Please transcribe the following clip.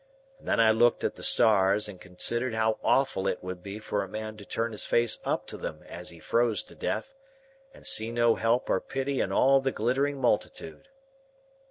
And then I looked at the stars, and considered how awful it would be for a man to turn his face up to them as he froze to death, and see no help or pity in all the glittering multitude.